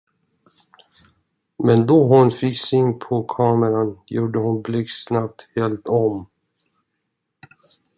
Men då hon fick syn på kameran, gjorde hon blixtsnabbt helt om.